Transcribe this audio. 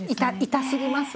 痛すぎます。